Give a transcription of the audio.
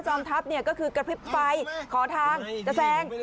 จองทัพก็คือกระพริบไฟขอทางจะแซง